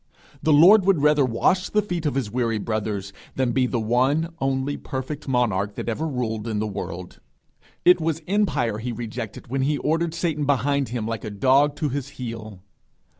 The Lord would rather wash the feet of his weary brothers, than be the one only perfect monarch that ever ruled in the world. It was empire he rejected when he ordered Satan behind him like a dog to his heel.